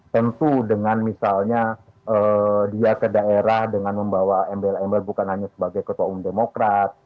tentu dengan misalnya dia ke daerah dengan membawa embel embel bukan hanya sebagai ketua umum demokrat